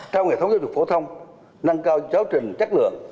cao nghệ thống giáo dục phổ thông năng cao giáo trình chất lượng